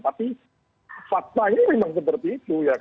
tapi faktanya memang seperti itu